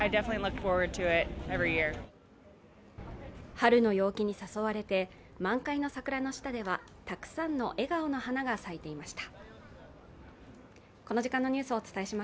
春の陽気に誘われて満開の桜の下ではたくさんの笑顔の花が咲いていました。